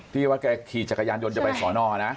ที่ว่าแกขี่จักรยานยนต์จะไปสอนอนะ